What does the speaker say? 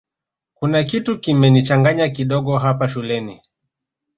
kuna kitu kimenichanganya kidogo hapa shuleni